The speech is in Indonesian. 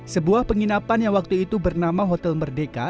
sebuah penginapan yang waktu itu bernama hotel merdeka